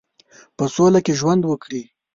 په سوله کې ژوند وکړي.